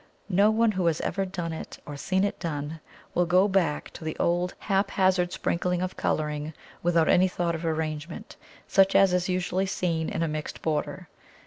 No one who has ever done it, or seen it done, will go back to the old haphazard sprinkle of colouring without any thought of arrangement, such as is usually seen in a mixed border.